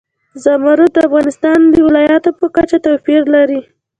زمرد د افغانستان د ولایاتو په کچه توپیر لري.